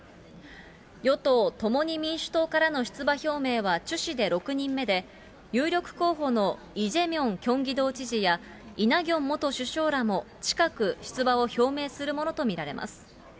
与党・共に民主党からの出馬表明はチュ氏で６人目で、有力候補のイ・ジェミョンキョンギ道知事や、イ・ナギョン元首相らも近く、出馬を表明するものと見られます。